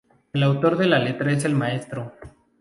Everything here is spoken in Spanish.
El autor de la letra es el mtro.